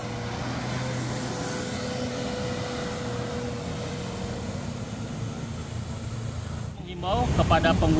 jalur alternatif mudik di kawasan tenjo ayu